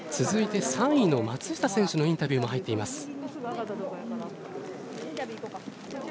続いて３位の松下選手のインタビューも入っています。